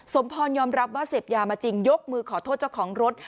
สมพรยอมรับว่าเสพยามาจริงยกมือขอโทษเจ้าของรถ